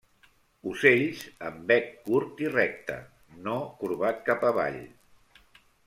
Ocells amb bec curt i recte, no corbat cap avall.